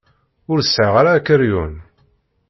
Ur sɛiɣ ara akeryun.